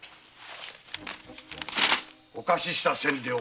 お貸しした千両